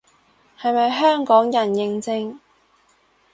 係咪香港人認證